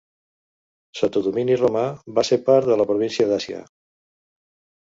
Sota domini romà, va ser part de la província d'Àsia.